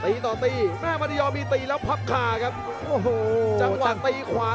ตีต่อตีมาติยอร์มีตีแล้วพักขาครับโอ้โหตั้งสายจังหวังตีขวา